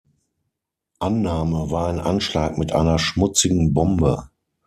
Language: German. Annahme war ein Anschlag mit einer „Schmutzigen Bombe“.